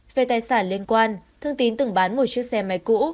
về tài sản liên quan thương tín từng bán một chiếc xe máy cũ